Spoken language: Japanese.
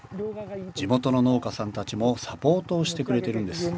地元の農家さんたちもサポートをしてくれてるんです